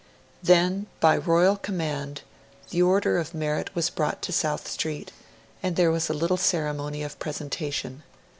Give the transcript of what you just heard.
Then, by Royal command, the Order of Merit was brought to South Street, and there was a little ceremony of presentation.